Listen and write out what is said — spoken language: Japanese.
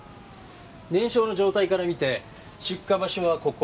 燃焼の状態から見て出火場所はここ。